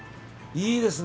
いいですね